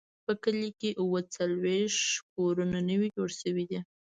په کلي کې اووه څلوېښت کورونه نوي جوړ شوي دي.